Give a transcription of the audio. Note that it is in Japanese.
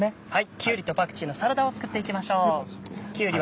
「きゅうりとパクチーのサラダ」を作っていきましょう。